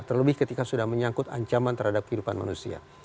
terlebih ketika sudah menyangkut ancaman terhadap kehidupan manusia